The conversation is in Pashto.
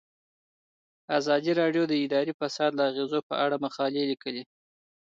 ازادي راډیو د اداري فساد د اغیزو په اړه مقالو لیکلي.